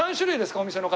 お店の方。